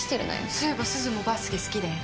そういえばすずもバスケ好きだよね？